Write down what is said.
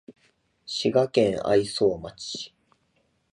滋賀県愛荘町